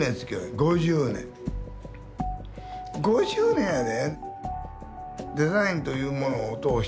５０年やで。